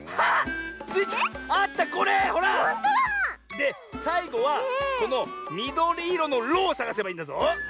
でさいごはこのみどりいろの「ロ」をさがせばいいんだぞ。